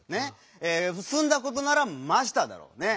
すんだことなら「ました」だろ。ね。